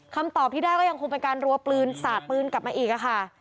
คำตอบที่ได้ก็ยังคงเป็นการรัวปืนสาดปืนกลับมาอีกค่ะ